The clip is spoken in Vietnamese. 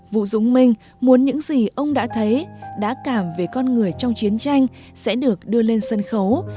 vũ dũng minh muốn những gì ông đã thấy đã cảm về con người trong chiến tranh sẽ được đưa lên sân khấu